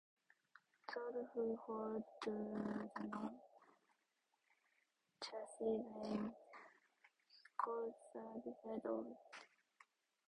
Those who held to the non-Chalcedonian Christologies called the doctrine of Chalcedon "dyophysitism".